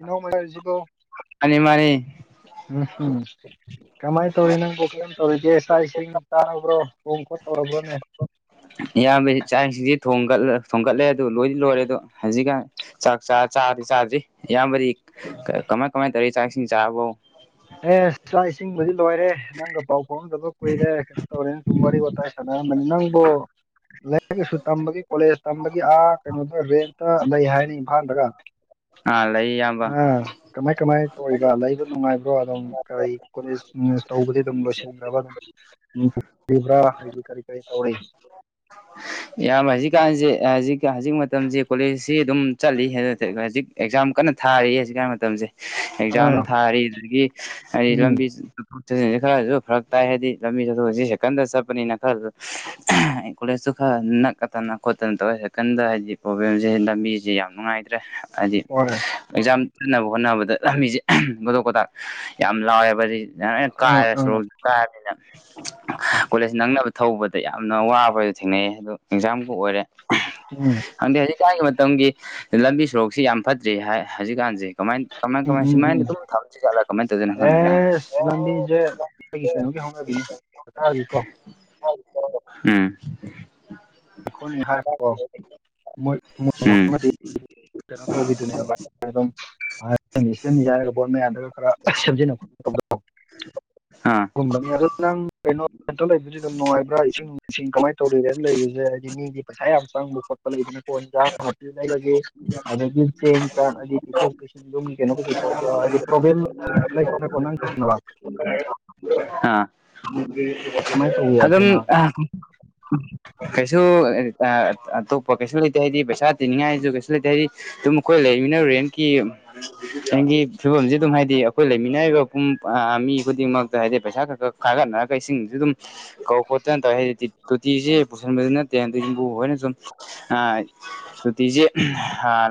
ꯏꯅꯣ ꯃ ꯍꯥꯏꯁꯤꯕꯣ ꯃꯥꯅꯤ ꯃꯥꯅꯤ ꯎꯝ ꯀꯃꯥꯏꯟ ꯇꯧꯔꯤ ꯅꯪꯕꯨ ꯀꯔꯝ ꯇꯧꯔꯤꯒꯦ ꯆꯥꯛ ꯏꯁꯤꯡ ꯆꯥꯔꯕ꯭ꯔꯣ ꯍꯣꯡ ꯈꯣ ꯇꯧꯔꯔꯕꯅꯦ ꯏꯌꯥꯝꯕꯗꯤ ꯆꯥꯛꯁꯤꯡꯗꯤ ꯊꯣꯡꯒꯠꯂꯦ ꯑꯗꯨ ꯂꯣꯏꯗꯤ ꯂꯣꯏꯔꯦ ꯑꯗꯨ ꯍꯧꯖꯤꯛꯀꯥꯟ ꯆꯥꯛ ꯆ ꯆꯥꯗꯤ ꯆꯥꯗ꯭ꯔꯤ ꯏꯌꯥꯝꯕꯗꯤ ꯀꯃꯥꯏ ꯀꯃꯥꯏ ꯇꯧꯔꯤ ꯆꯥꯛ ꯏꯁꯤꯡ ꯆꯥꯔꯕꯣ ꯑꯦ ꯆꯥꯛ ꯏꯁꯤꯡꯕꯨꯗꯤ ꯂꯣꯏꯔꯦ ꯅꯪꯒ ꯄꯥꯎ ꯐꯥꯎꯅꯗꯕ ꯀꯨꯏꯔꯦ ꯇꯧꯔꯤ ꯁꯨꯝ ꯋꯥꯔꯤ ꯋꯥꯇꯥꯏ ꯁꯥꯅꯔꯝꯕ ꯅꯤ ꯅꯪꯕꯨꯣ ꯂꯥꯏꯔꯤꯛ ꯂꯥꯏꯁꯨ ꯇꯝꯕꯒꯤ ꯀꯣꯂꯦꯖ ꯇꯝꯕꯒꯤ ꯑꯥ ꯀꯩꯅꯣꯗ ꯔꯦꯟꯇ ꯂꯩ ꯍꯥꯏꯔꯤ ꯏꯝꯐꯥꯜꯗꯒ ꯑꯥ ꯂꯩ ꯏꯌꯥꯝꯕ ꯑ ꯀꯃꯥꯏ ꯀꯃꯥꯏ ꯇꯧꯔꯤꯕ ꯂꯩꯕ ꯅꯨꯡꯉꯥꯏꯕ ꯑꯗꯨꯝ ꯀꯔꯤ ꯀꯣꯂꯦꯖ ꯇꯧꯕꯗꯤ ꯑꯗꯨꯝ ꯂꯣꯏꯁꯤꯈꯔꯕ ꯑꯗꯨ ꯇꯝꯃꯤꯕꯔ ꯍꯥꯏꯗꯤ ꯀꯔꯤ ꯀꯔꯤ ꯇꯧꯔꯤ ꯏꯌꯥꯝꯕ ꯍꯧꯖꯤꯛꯀꯥꯟꯁꯦ ꯍꯧꯖꯤꯛ ꯍꯧꯖꯤꯛ ꯃꯇꯝꯁꯦ ꯀꯣꯂꯦꯖꯁꯤ ꯑꯗꯨꯝ ꯆꯠꯂꯤ ꯍꯧꯖꯤꯛ ꯑꯦꯛꯖꯥꯝ ꯀꯟꯅ ꯊꯥꯔꯤꯌꯦ ꯍꯧꯖꯤꯛ ꯀꯥꯟ ꯃꯇꯝꯁꯦ ꯑꯦꯛꯖꯥꯝ ꯑꯥ ꯊꯥꯔꯤ ꯑꯗꯨꯗꯒꯤ ꯍꯥꯏꯗꯤ ꯎꯝ ꯂꯝꯕꯤ ꯆꯠꯊꯣꯛ ꯆꯠꯁꯤꯟꯁꯤ ꯈꯔꯁꯨ ꯐꯔꯛ ꯇꯥꯏ ꯍꯥꯏꯗꯤ ꯂꯝꯕꯤ ꯆꯠꯊꯣꯛꯁꯤ ꯁꯦꯀꯟꯗ ꯆꯠꯄꯅꯤꯅ ꯈꯔꯁꯨ ꯀꯣꯂꯦꯖꯇꯨ ꯈꯔ ꯅꯛꯀꯗꯅ ꯈꯣꯠꯇꯅ ꯇꯧꯋꯦ ꯍꯥꯏꯀꯟꯗ ꯍꯥꯏꯗꯤ ꯄ꯭ꯔꯣꯕ꯭ꯂꯦꯝꯁꯦ ꯂꯝꯕꯤꯁꯦ ꯌꯥꯝ ꯅꯨꯡꯉꯥꯏꯇ꯭ꯔꯦ ꯍꯥꯏꯗꯤ ꯍꯣꯏ ꯑꯥ ꯑꯦꯛꯖꯥꯝ ꯆꯠꯅꯕ ꯍꯣꯠꯅꯕꯗ ꯂꯝꯕꯤꯁꯦ ꯀꯣꯗꯣꯛ ꯀꯗꯥꯛ ꯌꯥꯝ ꯂꯥꯎꯋꯦꯕ ꯀꯥꯏꯔꯦ ꯑꯥ ꯁꯣꯔꯣꯛꯁꯦ ꯀꯥꯏꯔꯅꯤꯅ ꯀꯣꯂꯦꯖ ꯅꯪꯅꯕ ꯊꯧꯕꯗ ꯌꯥꯝꯅ ꯋꯥꯕ ꯊꯦꯡꯅꯩꯌꯦ ꯑꯗꯨ ꯑꯦꯛꯖꯥꯝꯕꯨ ꯑꯣꯏꯔꯦ ꯎꯝ ꯈꯪꯗꯦꯍꯧꯖꯤꯛ ꯥꯒꯤ ꯃꯇꯝꯒꯤ ꯂꯝꯕꯤ ꯁꯣꯔꯣꯛꯁꯤ ꯌꯥꯝ ꯐꯠꯇ꯭ꯔꯤ ꯍꯥꯏ ꯍꯧꯖꯤꯛꯀꯥꯟꯁꯦ ꯀꯃꯥꯏ ꯀꯃꯥꯏ ꯎꯝ ꯀꯃꯥꯏ ꯎꯝ ꯎꯝ ꯁꯃꯥꯏꯅ ꯑꯗꯨꯝ ꯊꯝꯁꯤꯠꯂ ꯀꯃꯥꯏ ꯇꯧꯗꯣꯏꯅꯣ ꯈꯪꯗꯦ ꯁꯤ ꯂꯝꯕꯤꯁꯦ ꯑꯩꯒꯤ ꯀꯩꯅꯣꯝꯒꯤ ꯍꯧꯅꯕꯤꯅꯦ ꯁꯔꯀꯥꯔꯒꯤꯀꯣ ꯎꯝ ꯑꯩꯈꯣꯏꯅꯤ ꯍꯥꯏ ꯃꯣꯏ ꯎꯝ ꯀꯩꯅꯣ ꯇꯧꯕꯤꯗꯨꯅꯦꯕ ꯑꯗꯨꯝ ꯁꯦꯝꯃꯤ ꯍꯥꯏꯔꯒ ꯕꯣꯠ ꯃꯌꯥꯝꯗꯒ ꯈꯔ ꯁꯦꯝꯖꯤꯟꯅ ꯈꯣꯠ ꯇꯧꯕ ꯑꯥ ꯅꯪ ꯀꯩꯅꯣ ꯔꯦꯟꯇ ꯂꯩꯕꯗꯤ ꯑꯗꯨꯝ ꯅꯨꯡꯉꯥꯏꯕ꯭ꯔꯥ ꯏꯁꯤꯡ ꯅꯨꯡꯁꯤꯡ ꯀꯃꯥꯏꯅ ꯇꯧꯔꯤꯒꯦ ꯂꯩꯕꯁꯤ ꯍꯥꯏꯗꯤ ꯃꯤꯒꯤ ꯄꯩꯁꯥ ꯌꯥꯝ ꯆꯪꯕ ꯈꯣꯠꯄ ꯂꯩꯗꯅꯀꯣ ꯏꯟꯖꯥꯡ ꯅꯥꯄꯤ ꯂꯩꯕꯒꯤ ꯑꯗꯒꯤ ꯆꯦꯡ ꯆꯥꯡ ꯑꯗꯤ ꯄꯤꯊꯣꯛ ꯄꯤꯁꯤꯟꯗ ꯀꯩꯅꯣ ꯀꯩꯀꯩ ꯇꯧꯕ ꯍꯥꯏꯗꯤ ꯄ꯭ꯔꯣꯕ꯭ꯂꯦꯝ ꯂꯩꯇꯅꯀꯣ ꯅꯪꯪ ꯑ ꯀꯃꯥꯏꯅ ꯇꯧꯒꯦ ꯑꯗꯝ ꯊꯦꯡꯅꯕꯁꯦ ꯀꯩꯁꯨ ꯑꯇꯣꯞꯄ ꯀꯩꯁꯨ ꯂꯩꯇꯦ ꯍꯥꯏꯗꯤ ꯄꯩꯁꯥ ꯇꯤꯅꯤꯡꯉꯥꯏꯁꯨ ꯀꯩꯁꯨ ꯂꯩꯇꯦ ꯍꯥꯏꯗꯤ ꯑꯗꯨꯝ ꯑꯩꯈꯣꯏ ꯂꯩꯃꯤꯅ ꯔꯦꯟꯀꯤ ꯅꯒꯤ ꯐꯤꯕꯝꯁꯤꯦ ꯑꯗꯨꯝ ꯍꯥꯏꯗꯤ ꯑꯩꯈꯣꯏ ꯂꯩꯃꯤꯟꯅꯔꯤꯕ ꯄꯨꯡ ꯃꯤ ꯈꯨꯗꯤꯡꯃꯛꯇ ꯍꯥꯏꯗꯤ ꯄꯩꯁꯥ ꯈꯛ ꯈꯛ ꯈꯥꯒꯠꯅꯔꯒ ꯏꯁꯤꯡꯁꯨ ꯑꯗꯨꯝ ꯀꯧ ꯈꯣꯠꯇꯅ ꯇꯧꯋꯦ ꯍꯥꯏꯗꯤ ꯇꯣꯇꯤꯁꯤ ꯄꯨꯁꯟꯕꯗꯨ ꯅꯠꯇꯦ ꯑꯗꯨ ꯌꯨꯝꯕꯨ ꯍꯣꯏꯅ ꯁꯨꯝ ꯁꯨꯇꯤꯁꯦ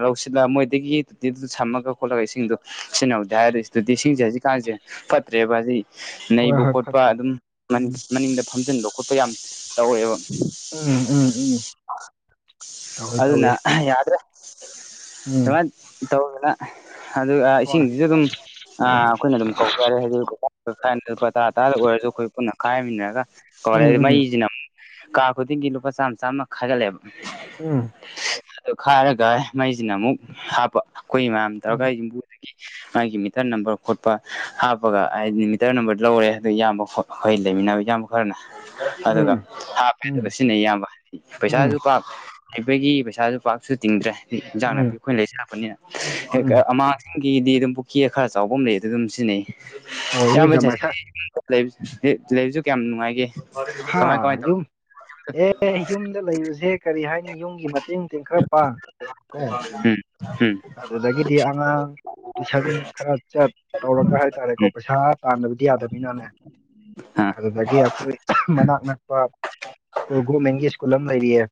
ꯂꯧꯁꯤꯜꯂꯒ ꯃꯣꯏꯗꯒꯤ ꯇꯣꯇꯤꯗꯨ ꯁꯝꯃꯒ ꯈꯣꯠꯂꯒ ꯏꯁꯤꯡꯗꯨꯣ ꯁꯤꯖꯤꯟꯅꯍꯧꯗꯤ ꯍꯥꯏ ꯇꯣꯇꯤ ꯏꯁꯤꯡꯁꯦ ꯍꯧꯖꯤꯛꯀꯥꯟꯁꯦ ꯐꯠꯇ꯭ꯔꯦꯕ ꯍꯧꯖꯤꯛ ꯍꯣꯏ ꯅꯩꯕ ꯍꯣꯏ ꯈꯣꯠꯄ ꯐꯠꯇꯦ ꯑꯗꯨꯝ ꯎꯝ ꯃꯅꯤꯡꯗ ꯐꯝꯖꯤꯟꯕ ꯈꯣꯠꯄ ꯌꯥꯝ ꯇꯧꯋꯦꯕ ꯎꯝ ꯎꯝ ꯎꯝ ꯇꯧꯋꯦ ꯑꯗꯨꯅ ꯇꯧꯋꯦ ꯌꯥꯗ꯭ꯔꯦ ꯎꯝ ꯑꯗꯨꯃꯥꯏꯅ ꯇꯧꯗꯅ ꯑꯗꯨꯒ ꯍꯣꯏ ꯏꯁꯤꯡꯁꯤꯁꯨ ꯑꯗꯨꯝ ꯑꯥ ꯑꯩꯈꯣꯏꯅ ꯑꯗꯨꯝ ꯀꯧꯖꯔꯦ ꯍꯥꯏꯗꯤ ꯂꯨꯄꯥ ꯇꯔꯥ ꯇꯔꯥꯗ ꯑꯣꯏꯔꯁꯨ ꯑꯩꯈꯣꯏ ꯄꯨꯟꯅ ꯈꯥꯏꯃꯤꯟꯅꯔꯒ ꯀꯧꯔꯦ ꯎꯝ ꯎꯝ ꯃꯩꯁꯤꯅ ꯀꯥ ꯈꯨꯗꯤꯡꯒꯤ ꯂꯨꯄꯥ ꯆꯥꯝꯃ ꯆꯥꯝꯃ ꯈꯥꯏꯒꯠꯂꯦꯕ ꯎꯝ ꯑꯗꯨ ꯈꯥꯏꯔꯒ ꯃꯩꯁꯤꯅ ꯑꯃꯨꯛ ꯍꯥꯞꯄ ꯑꯩꯈꯣꯏ ꯃꯌꯥꯝ ꯇꯧꯔꯒꯕꯨ [unintelligible] ꯃꯥꯒꯤ ꯃꯤꯇꯔ ꯅꯝꯕꯔ ꯈꯣꯠꯄ ꯍꯥꯞꯄꯒ ꯍꯥꯏꯗꯤ ꯃꯤꯇꯔ ꯅꯝꯕꯔ ꯂꯧꯔꯦ ꯍꯥꯏ ꯌꯥꯝꯕ ꯑꯩꯈꯣꯏ ꯂꯩꯃꯤꯟꯅꯕ ꯏꯌꯥꯝꯕ ꯈꯔꯅ ꯑꯗꯨꯒ ꯎꯝ ꯍꯥꯞꯄꯦ ꯑꯗꯨꯒ ꯎꯝ ꯁꯤꯖꯤꯟꯅꯩ ꯏꯌꯥꯝꯕ ꯍꯥꯏꯗꯤ ꯎꯝ ꯄꯩꯁꯥꯁꯨ ꯄꯥꯛ ꯍꯩꯕꯒꯤ ꯄꯩꯁꯥꯁꯨ ꯄꯥꯛꯁꯨ ꯇꯤꯡꯗ꯭ꯔꯦ ꯏꯟꯖꯥꯡ ꯅꯥꯄꯤ ꯎꯝ ꯑꯩꯈꯣꯏꯅ ꯂꯩꯖꯔꯛꯄꯅꯤꯅ ꯍꯥꯡ ꯎꯝ ꯤꯡꯒꯤꯗꯤ ꯑꯗꯨꯝ ꯄꯨꯈ꯭ꯔꯤꯒ ꯈꯔ ꯆꯥꯎꯕ ꯑꯃ ꯂꯩ ꯑꯗꯨ ꯑꯗꯨꯝ ꯁꯤꯖꯤꯟꯅꯩ ꯍꯣꯏ ꯏꯌꯥꯝꯕ ꯏꯔꯨꯖ ꯆꯖꯤ ꯃꯥꯏꯊ ꯂꯩꯕꯁꯨ ꯀꯌꯥꯝ ꯅꯨꯡꯉꯥꯏꯒꯦ ꯑꯍꯥ ꯀꯃꯥꯏ ꯀꯃꯥꯏꯅ ꯇꯧꯔꯤ ꯌꯨꯝ ꯑꯦ ꯌꯨꯝꯗ ꯂꯩꯔꯨꯁꯦ ꯀꯔꯤ ꯍꯥꯏꯅꯤ ꯌꯨꯝꯒꯤ ꯃꯇꯦꯡ ꯃꯇꯦꯡ ꯈꯔ ꯄꯥꯡ ꯀꯣ ꯎꯝ ꯎꯝ ꯑꯗꯨꯗꯗꯒꯤꯦꯗꯤ ꯑꯉꯥꯡ ꯇꯨꯏꯁꯟ ꯈꯔ ꯆꯠ ꯇꯧꯔꯒ ꯍꯥꯏꯇꯥꯔꯦꯀꯣ ꯎꯝ ꯄꯩꯁꯥ ꯇꯥꯟꯗꯕꯗꯤ ꯌꯥꯗꯅꯤꯅꯅꯦ ꯑꯥ ꯑꯗꯨꯗꯒꯤ ꯑꯩꯈꯣꯏ ꯃꯅꯥꯛ ꯅꯛꯄ ꯁꯀꯨꯜ ꯒꯣꯔꯃꯦꯟꯒꯤ ꯁ꯭ꯀꯨꯜ ꯑꯃ ꯂꯩꯔꯤꯑ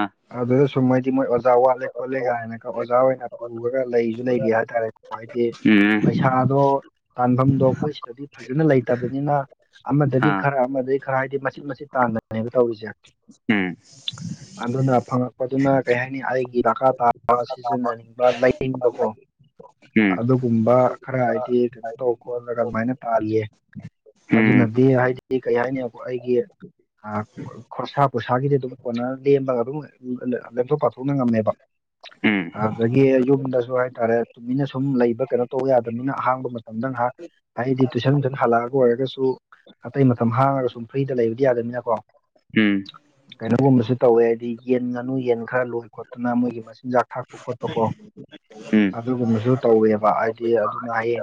ꯑꯥ ꯑꯗꯨꯗ ꯁꯨꯝꯃꯣꯏꯗꯤ ꯃꯣꯏ ꯋꯥꯦꯣꯂꯒ ꯍꯥꯏꯅ ꯑꯣꯖꯥ ꯑꯣꯏꯅ ꯄꯨꯔꯒ ꯂꯩꯁꯨ ꯂꯩꯒꯦ ꯍꯥꯏꯇꯥꯔꯦ ꯍꯥꯏꯗꯤ ꯄꯩꯁꯥ ꯑꯗꯣ ꯇꯥꯟꯐꯝꯗꯣ ꯑꯩꯈꯣꯏ ꯁꯤꯗꯗꯤ ꯐꯖꯅ ꯂꯩꯇꯕꯅꯤꯅ ꯑꯃꯗꯒꯤ ꯈꯔ ꯑꯃꯗꯒꯤ ꯈꯔ ꯍꯥꯏꯗꯤ ꯃꯆꯤꯠ ꯃꯆꯤꯠ ꯇꯥꯟꯗꯅꯦꯕ ꯇꯧꯔꯤꯁꯦ ꯎꯝ ꯑꯗꯨꯅ ꯐꯪꯉꯛꯄꯗꯨꯅ ꯀꯩ ꯍꯥꯏꯅꯤ ꯑꯩꯒꯤ ꯗꯀꯥ ꯇꯥ ꯂꯕꯣ ꯑꯥ ꯎꯝ ꯎꯝ ꯑꯗꯨꯒꯨꯝꯕ ꯈꯔ ꯍꯥꯏꯗꯤ ꯀꯩꯅꯣ ꯇꯧ ꯈꯣꯠꯂꯒ ꯑꯗꯨꯃꯥꯏꯅ ꯇꯥꯜꯂꯤꯌꯦ ꯎꯝ ꯎꯝ ꯎꯝ ꯎꯝ ꯎꯝ ꯑꯗꯨꯅꯗꯤ ꯍꯥꯏꯗꯤ ꯀꯩ ꯍꯥꯏꯅꯤ ꯑꯩꯒꯤ ꯈꯣꯔꯁꯥ ꯄꯨꯠ ꯏꯁꯥꯒꯤꯗꯤ ꯑꯗꯨꯝ ꯀꯣꯟꯅ ꯂꯦꯝꯃꯒ ꯑꯗꯨꯝ ꯂꯦꯝꯊꯣꯛ ꯄꯥꯊꯣꯛꯅ ꯉꯝꯃꯦꯕ ꯎꯝ ꯌꯨꯝꯗꯁꯨ ꯍꯥꯏꯇꯥꯔꯦ ꯇꯨꯃꯤꯅ ꯁꯨꯝ ꯂꯩꯕ ꯀꯩꯅꯣ ꯇꯧ ꯌꯥꯗꯕꯅꯤꯅ ꯑꯍꯥꯡꯕ ꯃꯇꯝꯗ ꯉꯥꯏꯍꯥꯛ ꯍꯥꯏꯗꯤ ꯇꯨꯏꯁꯟ ꯇꯨꯏꯁꯟ ꯍꯜꯂꯛꯑꯒ ꯑꯣꯏꯔꯒꯁꯨ ꯑꯇꯩ ꯃꯇꯝ ꯍꯥꯡꯉꯒ ꯁꯨꯝ ꯐ꯭ꯔꯤꯗ ꯂꯩꯕꯗꯤ ꯌꯥꯗꯅꯤꯅ ꯀꯣ ꯎꯝ ꯀꯩꯅꯣꯒꯨꯝꯕꯁꯨ ꯇꯧꯋꯦ ꯍꯥꯏꯗꯤ ꯌꯦꯟ ꯉꯥꯅꯨ ꯌꯦꯟ ꯈꯔ ꯂꯣꯏ ꯈꯣꯠꯇꯅ ꯃꯣꯏꯒꯤ ꯃꯆꯤꯟꯖꯥꯛ ꯊꯥꯛꯄ ꯈꯣꯠꯄꯀꯣ ꯑꯗꯨꯒꯨꯝꯕꯁꯨ ꯇꯧꯋꯦꯕ ꯍꯥꯏꯗꯤ ꯑꯗꯨꯅ ꯍꯥꯏꯌꯦ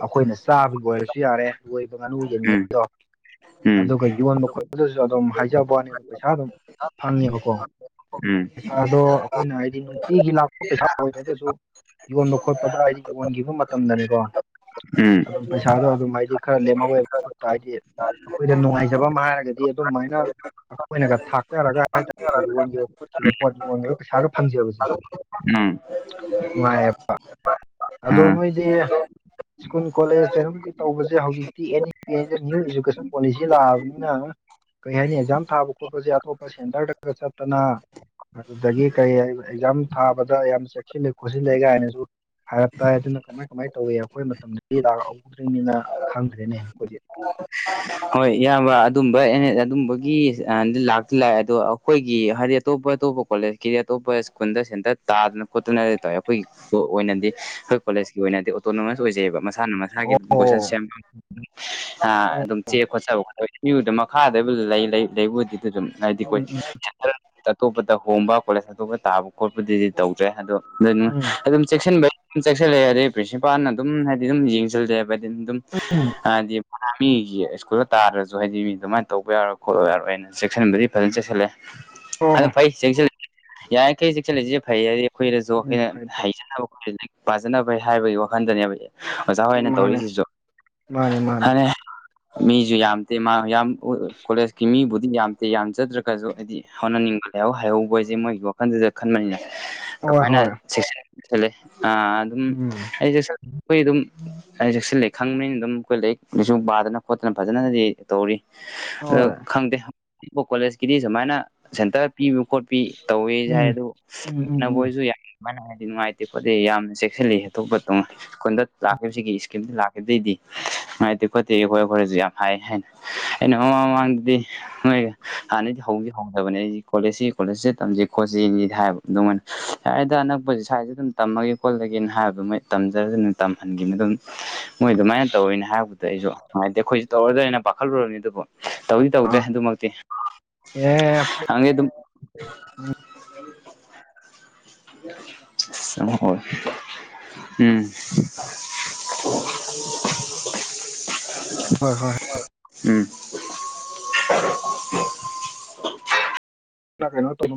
ꯑꯩꯈꯣꯏꯅ ꯆꯥꯕꯒꯤ ꯑꯣꯏꯔꯁꯨ ꯌꯥꯔꯦ ꯂꯣꯏꯕ ꯉꯥꯅꯨ ꯌꯦꯡꯉꯩꯗꯣ ꯑꯗꯨꯒ ꯌꯣꯟ ꯃꯈ ꯑꯗꯨꯝ ꯍꯥꯏꯖꯕ ꯋꯥꯅꯤ ꯑꯗꯨ ꯄꯩꯁꯥ ꯑꯗꯨꯝ ꯐꯪꯉꯦꯕꯀꯣ ꯄꯩꯁꯥꯗꯣ ꯈꯣꯏꯅꯥ ꯍꯥꯏꯗꯤ ꯅꯣꯡ ꯇꯤꯒꯤ ꯂꯥꯛꯄ ꯄꯩꯁꯥ ꯑꯣꯏꯗꯔꯥꯒꯖꯨ ꯌꯣꯟꯕ ꯈꯣꯠꯄꯗ ꯍꯥꯏꯗꯤ ꯌꯣꯟꯒꯤꯕ ꯃꯇꯝꯗꯅꯤꯀꯣ ꯎꯝ ꯎꯝ ꯑꯗꯨꯝ ꯄꯩꯁꯥꯗ ꯑꯗꯨꯝ ꯍꯥꯏꯗꯤ ꯈꯔ ꯂꯦꯝꯍꯧꯋꯦꯕ ꯈꯨꯠꯇ ꯍꯥꯏꯗꯤ ꯑꯩꯈꯣꯏꯗ ꯅꯨꯡꯉꯥꯏꯖꯕ ꯑꯃ ꯍꯥꯏꯔꯒꯗꯤ ꯑꯗꯨꯝꯃꯥꯏꯅ ꯑꯩꯈꯣꯏꯅꯒ ꯊꯥꯛꯆꯔꯒ ꯍꯥꯏꯇꯥꯔꯦ ꯌꯣꯟꯒꯤꯕ ꯈꯣꯠꯈꯤꯕ ꯄꯣꯠ ꯌꯣꯟꯒꯔꯥ ꯄꯩꯁꯥꯒ ꯐꯪꯖꯕꯁꯦ ꯎꯝ ꯅꯨꯡꯉꯥꯏꯌꯦꯕ ꯑꯗꯣ ꯑꯥ ꯅꯣꯏꯗꯤ ꯁ꯭ꯀꯨꯟ ꯀꯣꯂꯦꯖ ꯀꯩꯅꯣꯒꯤꯗꯤ ꯇꯧꯕꯁꯦ ꯍꯧꯖꯤꯛꯇꯤ ꯑꯦꯟ ꯏ ꯄꯤ ꯍꯥꯏꯅꯥ ꯅ꯭ꯌꯨ ꯏꯖꯨꯀꯦꯁꯟ ꯄꯣꯂꯤꯁꯤ ꯂꯥꯛꯑꯕꯅꯤꯅ ꯀꯩ ꯍꯥꯏꯅꯤ ꯑꯦꯛꯖꯥꯝ ꯊꯥꯕ ꯈꯣꯠꯄꯁꯦ ꯑꯇꯣꯞꯄ ꯁꯦꯟꯇꯔꯗꯒ ꯆꯠꯇꯅ ꯑꯗꯨꯗꯒꯤ ꯀꯔꯤ ꯑꯦꯛꯖꯥꯝ ꯊꯥꯕꯗ ꯌꯥꯝ ꯆꯦꯛꯁꯤꯟꯅ ꯈꯣꯠꯁꯤꯜꯂꯦ ꯀꯥꯏꯅꯁꯨ ꯍꯥꯏꯔꯞ ꯇꯥꯏ ꯑꯗꯨꯅ ꯀꯃꯥꯏ ꯀꯃꯥꯏꯅ ꯇꯧꯏꯤ ꯑꯩꯈꯣꯏ ꯃꯇꯝꯗꯗꯤ ꯂꯥꯛꯍꯧꯗ꯭ꯔꯤꯅꯤꯅ ꯈꯪꯗ꯭ꯔꯦꯅꯦ ꯑꯩꯈꯣꯏꯗꯤ ꯍꯣꯏ ꯏꯌꯥꯝꯕ ꯑꯗꯨꯝꯕ ꯑꯗꯨꯝꯕꯒꯤ ꯂ ꯂꯥꯛꯑꯦ ꯑꯗꯣ ꯑꯩꯈꯣꯏꯒꯤ ꯍꯥꯏꯗꯤ ꯑꯇꯣꯞꯄ ꯑꯇꯣꯞꯄ ꯀꯣꯂꯦꯖꯀꯤꯗꯤ ꯑꯇꯣꯞꯄ ꯁ꯭ꯀꯨꯜꯗ ꯁꯦꯟꯇꯔ ꯇꯥꯗꯅ ꯀꯣꯠꯇꯅ ꯂꯩ ꯇ ꯑꯩꯈꯣꯏ ꯑꯣꯏꯅꯗꯤ ꯑꯩꯈꯣꯏ ꯀꯣꯂꯦꯖꯀꯤ ꯑꯣꯏꯅꯗꯤ ꯑꯣꯇꯣꯅꯣꯃꯁ ꯑꯣꯏꯖꯩꯑꯕ ꯃꯁꯥꯅ ꯃꯁꯥꯒꯤ ꯑꯗꯨꯝ ꯑꯣ ꯀꯣꯏꯁꯟ ꯁꯦꯝ ꯍꯥ ꯑꯣ ꯑꯗꯨꯝ ꯆꯦ ꯈꯣꯠꯆꯕꯣꯗ ꯃꯈꯥꯗꯕꯨ ꯂꯩ ꯂꯩ ꯂꯩꯕꯨꯗꯤ ꯑꯗꯨꯝ ꯍꯥꯏꯗꯤ ꯎꯝ ꯀꯣꯏꯏ ꯑꯇꯣꯞꯄꯗ ꯍꯣꯡꯕ ꯀꯣꯂꯦꯖ ꯑꯇꯣꯞꯄ ꯇꯥꯕ ꯈꯣꯠꯄꯗꯨꯗꯤ ꯇꯧꯗ꯭ꯔꯦ ꯑꯗꯣ ꯗꯨꯅ ꯎꯝ ꯑꯗꯨꯝ ꯆꯦꯛꯁꯤꯟꯕꯩ ꯑꯗꯨꯝ ꯆꯦꯛꯁꯜꯂꯦ ꯑꯗꯩ ꯄ꯭ꯔꯤꯟꯁꯤꯄꯥꯜꯅ ꯑꯗꯨꯝ ꯍꯥꯏꯗꯤ ꯑꯗꯨꯝ ꯌꯦꯡꯖꯜꯂꯦꯕ ꯍꯥꯢꯗꯤ ꯗꯨꯝ ꯎꯝ ꯎꯝ ꯍꯥꯏꯗꯤ ꯃꯤꯒꯤ ꯈꯨꯂꯔ ꯇꯥꯗꯔ꯭ꯖꯨ ꯍꯥꯏꯗꯤ ꯃꯤ ꯑꯗꯨꯃꯥꯏ ꯇꯧꯕ ꯌꯥꯔꯣꯏ ꯈꯣꯠꯄ ꯌꯥꯔꯣꯏꯅ ꯆꯦꯛꯁꯤꯟꯕꯗꯤ ꯐꯖꯅ ꯆꯦꯛꯁꯜꯂꯦ ꯑꯗꯨ ꯑꯣ ꯐꯩ ꯆꯦꯛꯁꯤꯜ ꯌꯥꯔꯤꯈꯩ ꯆꯦꯛꯁꯤꯜꯂꯤꯖꯤ ꯐꯩ ꯍꯥꯏꯗꯤ ꯑꯩꯈꯣꯏꯗꯁꯨ ꯎꯝ ꯑꯩꯈꯣꯏꯅ ꯐꯩ ꯐꯩ ꯍꯩꯖꯅꯕ ꯑꯩꯈꯣꯏ ꯂꯥꯏꯔꯤꯛ ꯄꯥꯖꯅꯕ ꯍꯥꯏꯕꯒꯤ ꯋꯥꯈꯟꯗꯅꯦꯕ ꯑꯣꯖꯥ ꯍꯣꯏꯅ ꯃꯥꯅꯦ ꯇꯧꯔꯤꯖꯤꯖꯨ ꯃꯥꯅꯦ ꯃꯥꯅꯦ [unintelligible] ꯃꯤꯖꯨ ꯌꯥꯝꯗꯦ ꯃꯥ ꯌꯥꯝ ꯀꯣꯂꯦꯖꯀꯤ ꯃꯤꯕꯨꯗꯤ ꯌꯥꯝ ꯇꯤ ꯌꯥꯝꯖꯗ꯭ꯔꯒꯁꯨ ꯍꯥꯏꯗꯤ ꯍꯣꯠꯅꯅꯤꯡꯕ ꯂꯩꯍꯧ ꯍꯩꯍꯧ ꯃꯣꯏꯖꯦ ꯃꯣꯏꯒꯤ ꯋꯥꯈꯟ ꯗꯨꯗ ꯈꯟꯕꯅꯤꯅ ꯍꯣꯏ ꯍꯣꯏ ꯑꯗꯨꯃꯥꯏ [unintelligible] ꯑꯥ ꯑꯗꯨꯝ ꯎꯝ ꯑꯩꯖꯦ [unintelligible] ꯑꯩꯈꯣꯏ ꯑꯗꯨꯝ ꯍꯥꯏꯗꯤ ꯆꯦꯛꯁꯜꯂꯦ ꯈꯪꯕꯅꯤꯅ ꯑꯗꯨꯝ ꯑꯩꯈꯣꯏ ꯂꯥꯏꯔꯤꯛ ꯂꯥꯏꯁꯨ ꯄꯥꯗꯅ ꯈꯣꯠꯇꯅ ꯐꯖꯅꯗꯤ ꯇꯧꯔꯤ ꯑꯗꯣ ꯍꯣꯏ ꯈꯪꯗꯦ ꯑꯄ ꯀꯣꯂꯦꯖꯀꯤꯗꯤ ꯁꯨꯃꯥꯏꯅ ꯁꯦꯟꯇꯔ ꯄꯤꯕ ꯈꯣꯠꯄꯤ ꯇꯧꯋꯦꯖꯤ ꯍꯥꯏ ꯎꯝ ꯑꯗꯨꯕꯨ ꯎꯝ ꯎꯝ ꯎꯝ ꯅꯒꯣꯏꯖꯨ ꯃꯥꯏꯅ ꯍꯥꯏꯗꯤ ꯅꯨꯡꯉꯥꯏꯇꯦ ꯈꯣꯠꯇꯦ ꯌꯥꯝꯅ ꯆꯦꯛꯁꯤꯜꯂꯤ ꯑꯇꯣꯞꯄ ꯇꯧꯉꯥꯏ ꯈꯨꯟ ꯗ ꯂꯥꯛꯈꯤꯕ ꯁꯤꯒꯤ ꯏꯁꯀꯤꯝꯁꯤ ꯂꯥꯛꯈꯤꯕꯗꯩꯗꯤ ꯅꯨꯡꯉꯥꯏꯇꯦ ꯈꯣꯠꯇꯦ ꯑꯩꯈꯣꯏ [unintelligible] ꯌꯥꯝ ꯍꯥꯏ ꯍꯥꯏꯅ ꯑꯩꯅ ꯃꯃꯥꯡ ꯃꯃꯥꯡꯗꯗꯤ ꯍꯣꯏ ꯍꯥꯟꯅꯗꯤ ꯍꯧꯗꯤ ꯍꯧꯗꯕꯅꯦ ꯑꯩ ꯀꯣꯂꯦꯖꯁꯤ ꯀꯣꯂꯦꯖꯁꯤꯗ ꯇꯝꯁꯤ ꯈꯣꯠꯁꯤꯗꯤ ꯍꯥꯏꯕ ꯑꯗꯨ ꯃꯣꯏꯅꯥ ꯌꯥꯔꯦꯗꯥ ꯑꯅꯛꯄꯖꯤ ꯁ꯭ꯋꯥꯏꯗ ꯑꯗꯨꯝ ꯇꯝꯃꯒꯦ ꯈꯣꯠꯂꯒꯦꯅ ꯍꯥꯏꯕꯗꯨ ꯃꯣꯏ ꯇꯝꯖꯔꯁꯨꯅ ꯇꯝꯍꯟꯒꯨꯕꯅꯤ ꯑꯗꯨꯝ ꯃꯣꯏ ꯑꯗꯨꯃꯥꯏꯅ ꯇꯧꯋꯦꯅ ꯍꯥꯏꯕꯗ ꯑꯩꯁꯨ ꯉꯥꯏꯇꯦ ꯑꯩꯈꯣꯏꯁꯨ ꯇꯧꯔꯗ꯭ꯔꯅ ꯄꯥꯈꯠꯂꯨꯨꯔꯕꯅꯤ ꯑꯗꯨꯕꯨ ꯇꯧꯗꯤ ꯇꯧꯗ꯭ꯔꯦ ꯑꯥ ꯑꯗꯨꯃꯛꯇꯤ ꯑꯦ ꯐꯩ ꯈꯡꯗꯦ ꯑꯗꯨꯝ ꯎꯝ ꯑꯁ ꯑꯃꯨꯛ ꯍꯧꯔꯦ ꯎꯝ [unintelligible] ꯍꯣꯏ ꯍꯣꯏ ꯎꯝ ꯀꯩꯅꯣ ꯇꯧꯕ ꯃꯥ